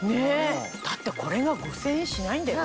だってこれが５０００円しないんだよ。